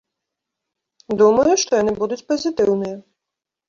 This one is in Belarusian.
Думаю, што яны будуць пазітыўныя.